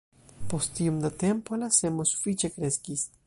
Post iom da tempo, la semo sufiĉe kreskis.